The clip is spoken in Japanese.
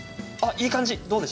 あ、いい感じ！